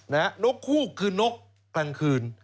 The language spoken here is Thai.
นกฮูกคือนกกลางคืน